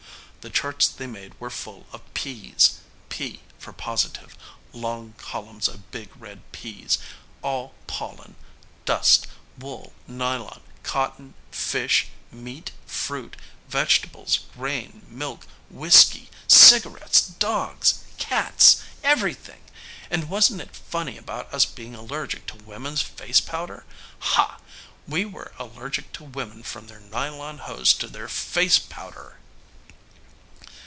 The charts they made were full of 'P's, P for positive, long columns of big, red 'P's. All pollen, dust, wool, nylon, cotton, fish, meat, fruit, vegetables, grain, milk, whisky, cigarettes, dogs, cats everything! And wasn't it funny about us being allergic to women's face powder? Ha! We were allergic to women from their nylon hose to their face powder.